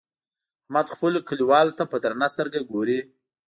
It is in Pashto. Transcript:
احمد خپلو کليوالو ته په درنه سترګه ګوري.